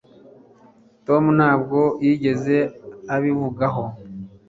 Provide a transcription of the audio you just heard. tom ntabwo yigeze abivugaho